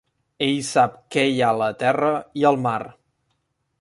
Ell sap què hi ha a la terra i al mar.